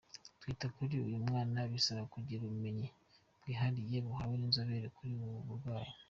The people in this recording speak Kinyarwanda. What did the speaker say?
Kwita kuri uyu mwana bisaba kugira ubumenyi bwihariye wahawe n’inzobere kuri ubu burwayi.